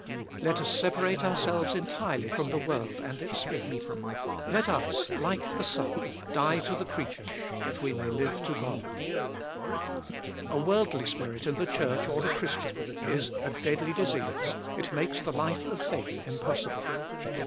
Let us separate ourselves entirely from the world and its spirit ; let us, like the Son, die to the creature, that we may live to God. 440 Gbe iboliest of ail A worldly spirit in the Church or the Christian is a deadly disease : it makes the life of faith impossible.